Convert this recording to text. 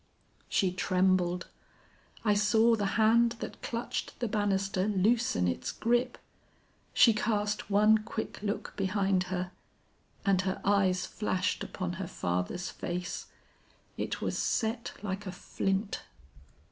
"She trembled. I saw the hand that clutched the banister loosen its grip; she cast one quick look behind her, and her eyes flashed upon her father's face; it was set like a flint.